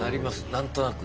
何となく。